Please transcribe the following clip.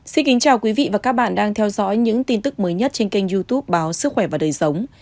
xin kính chào quý vị và các bạn đang theo dõi những tin tức mới nhất trên kênh youtube báo sức khỏe và đời sống